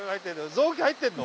臓器入ってんの？